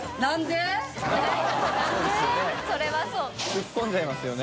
突っこんじゃいますよね。